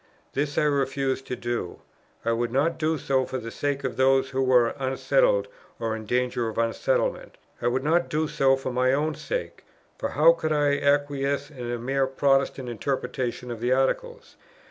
This I refused to do: I would not do so for the sake of those who were unsettled or in danger of unsettlement. I would not do so for my own sake; for how could I acquiesce in a mere Protestant interpretation of the Articles?